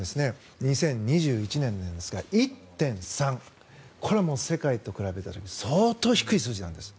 ２０２１年なんですが１．３これは世界と比べたら相当低い数字なんです。